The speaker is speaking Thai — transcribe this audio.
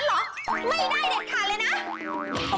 ไม่ได้เด็ดกันเลยนะ